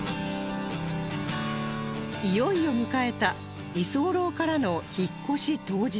いよいよ迎えた居候からの引っ越し当日